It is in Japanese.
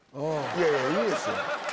いやいやいいですよ。